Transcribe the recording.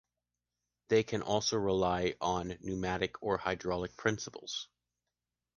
They can also rely on pneumatic or hydraulic principles.